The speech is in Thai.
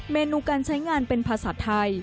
เมนูการใช้งานเป็นภาษาไทย